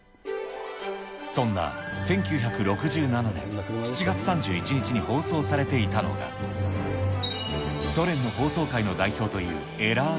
そんな１９６７年７月３１日に放送されていたのが、ソ連の放送界の代表という偉ー